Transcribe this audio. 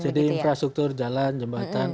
jadi infrastruktur jalan jembatan